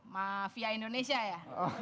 mafia indonesia ya